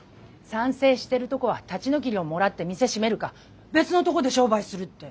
賛成してるとこは立ち退き料もらって店閉めるか別のとこで商売するって。